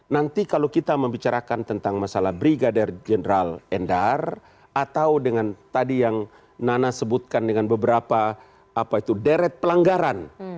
nanti kalau kita membicarakan tentang masalah brigadir jenderal endar atau dengan tadi yang nana sebutkan dengan beberapa apa itu deret pelanggaran